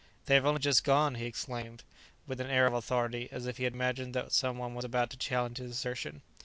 "They have only just gone," he exclaimed, with an air of authority, as if he imagined that some one was about to challenge his assertion.